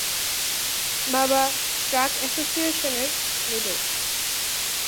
বাবা ট্রাক অ্যাসোসিয়েশনের লিডার।